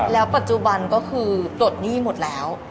แล้วปัจจุบันก็คือปลดหนี้หมดแล้ว